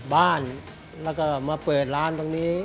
กล่าวค้านถึงกุ้ยเตี๋ยวลุกชิ้นหมูฝีมือลุงส่งมาจนถึงทุกวันนี้นั่นเองค่ะ